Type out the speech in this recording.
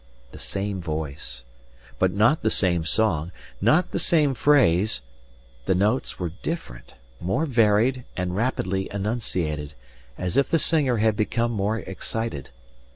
The same voice, but not the same song not the same phrase; the notes were different, more varied and rapidly enunciated, as if the singer had been more excited.